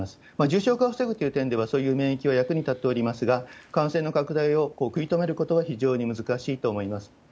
重症化を防ぐという点では、そういう免疫は役に立っておりますが、感染の拡大を食い止めることは非常に難しいと思います。